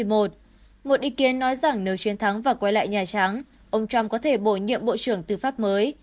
một ý kiến nói rằng nếu chiến thắng và quay lại nhà trắng ông trump có thể bổ nhiệm bộ trưởng tư pháp mới